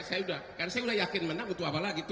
saya sudah yakin menang butuh apa lagi